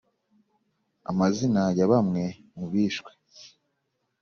amazina ya bamwe mu bishwe.